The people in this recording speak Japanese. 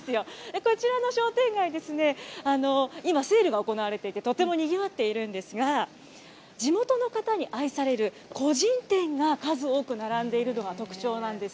こちらの商店街ですね、今、セールが行われていて、とてもにぎわっているんですが、地元の方に愛される個人店が数多く並んでいるのが特徴なんです。